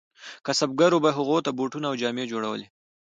کسبګرو به هغو ته بوټونه او جامې جوړولې.